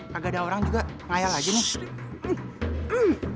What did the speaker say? kagak ada orang juga ngayal aja nih